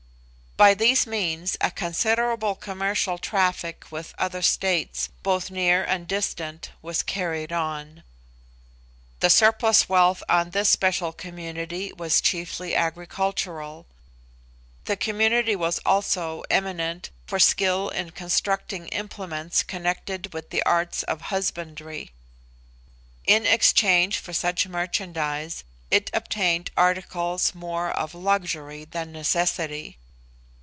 By these means a considerable commercial traffic with other states, both near and distant, was carried on. The surplus wealth on this special community was chiefly agricultural. The community was also eminent for skill in constructing implements connected with the arts of husbandry. In exchange for such merchandise it obtained articles more of luxury than necessity.